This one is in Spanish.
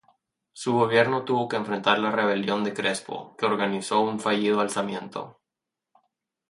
Su gobierno tuvo que enfrentar la rebelión de Crespo, que organizó un fallido alzamiento.